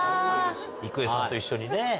郁恵さんと一緒にね。